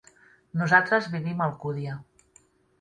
Nosaltres vivim a Alcúdia.